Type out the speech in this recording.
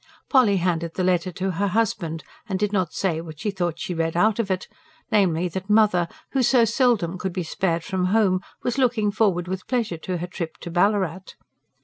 Polly handed the letter to her husband, and did not say what she thought she read out of it, namely that "mother," who so seldom could be spared from home, was looking forward with pleasure to her trip to Ballarat.